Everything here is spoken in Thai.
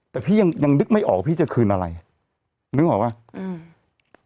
แต่พี่ยังยังนึกไม่ออกว่าพี่จะคืนอะไรนึกออกป่ะอืม